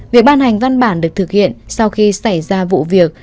việc ban hành văn bản được thực hiện sau khi xảy ra vụ việc